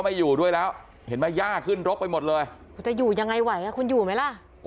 ไม่มีจะกินด้วยเพราะไม่ได้ส่งเงินให้กิน